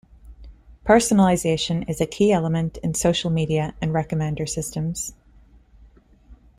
Personalization is a key element in social media and recommender systems.